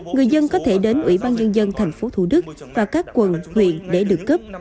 người dân có thể đến ủy ban nhân dân thành phố thủ đức và các quận huyện để được cấp